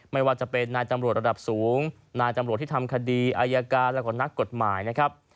ไม่ว่าจะเป็นนายตำรวจระดับสูงนายจำรวจที่ทำคดีอายการแล้วก็นักกฎหมายนะครับ